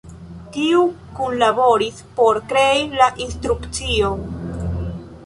Kiu kunlaboris por krei la instrukcion?